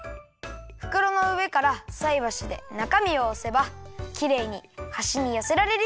ふくろのうえからさいばしでなかみをおせばきれいにはしによせられるよ。